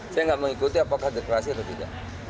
saya tidak mengikuti apakah deklarasi atau tidak